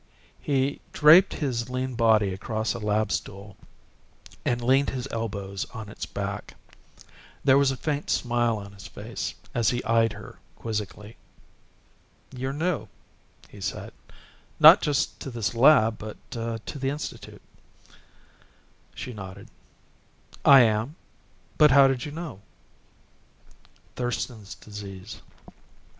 He draped his lean body across a lab stool and leaned his elbows on its back. There was a faint smile on his face as he eyed her quizzically. "You're new," he said. "Not just to this lab but to the Institute." [Illustration: ILLUSTRATED BY BARBERIS] She nodded. "I am, but how did you know?" "Thurston's Disease.